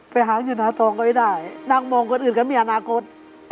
ไปหาเงินหาทองก็ไม่ได้นั่งมองคนอื่นก็มีอนาคต